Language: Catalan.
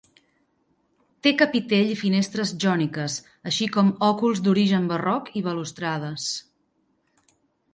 Té capitell i finestres jòniques, així com òculs d'origen barroc i balustrades.